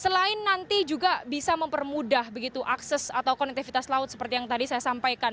selain nanti juga bisa mempermudah begitu akses atau konektivitas laut seperti yang tadi saya sampaikan